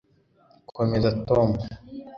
Komeza Tom